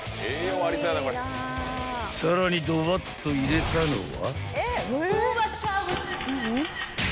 ［さらにドバッと入れたのは］